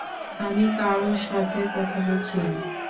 আমি কারও সাথে কথা বলছি না।